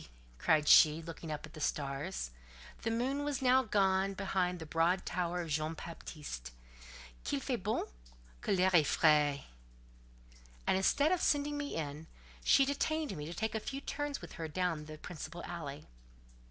cried she, looking up at the stars—the moon was now gone down behind the broad tower of Jean Baptiste. "Qu'il fait bon? que l'air est frais!" And, instead of sending me in, she detained me to take a few turns with her down the principal alley.